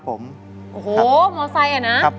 โอ้โหมอเตอร์ไซค์เนี่ยนะ